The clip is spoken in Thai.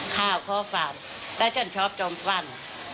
ค่าขอฝันแต่ฉันชอบจงฝั่น